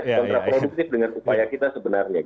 kontraproduktif dengan upaya kita sebenarnya